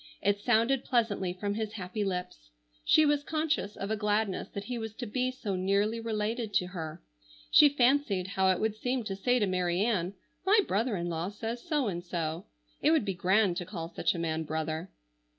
It sounded pleasantly from his happy lips. She was conscious of a gladness that he was to be so nearly related to her. She fancied how it would seem to say to Mary Ann: "My brother in law says so and so." It would be grand to call such a man "brother."